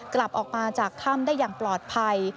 กลับออกมาจากถ้ำได้อย่างปลอดภัย